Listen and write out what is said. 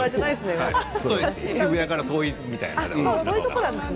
渋谷から遠いところみたいで。